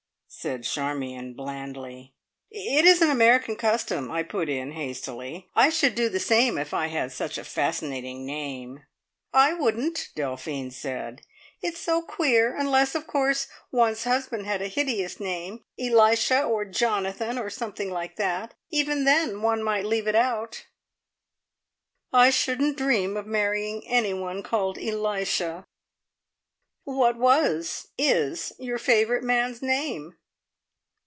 said Charmion blandly. "It is an American custom," I put in hastily. "I should do the same if I had such a fascinating name." "I wouldn't!" Delphine said "it's so queer. Unless, of course, one's husband had a hideous name Elisha, or Jonathan, or something like that. Even then one might leave it out." "I shouldn't dream of marrying anyone called Elisha." "What was is your favourite man's name?"